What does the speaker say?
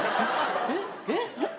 えっ？えっ？